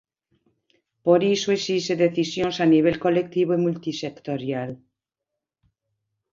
Por iso exixe decisións a nivel colectivo e multisectorial.